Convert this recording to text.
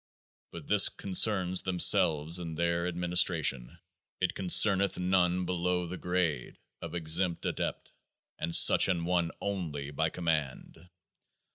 But this concerns themselves and their ad ministration ; it concerneth none below the grade of Exempt Adept, and such an one only by command.